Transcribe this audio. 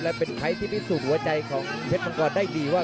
และเป็นใครที่พิสูจน์หัวใจของเพชรมังกรได้ดีว่า